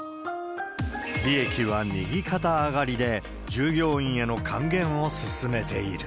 利益は右肩上がりで、従業員への還元を進めている。